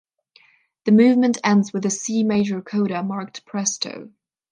The movement ends with a C major coda marked presto.